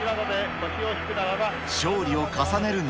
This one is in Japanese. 勝利を重ねる中。